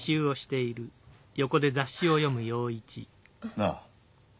なあ。